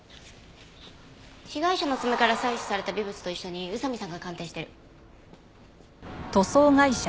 被害者の爪から採取された微物と一緒に宇佐見さんが鑑定してる。